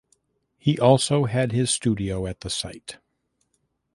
He also had his studio at the site.